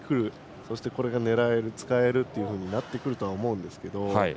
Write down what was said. そして、これが使える狙えるようになってくるとは思うんですけど。